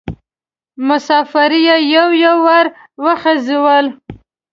مسافر یې یو یو ور وخېژول.